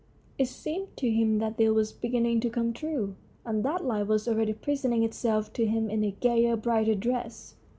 It seemed to him that this was beginning to come true, and that life was already presenting itself to him in a gayer, brighter dress.